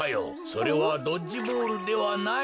それはドッジボールではない。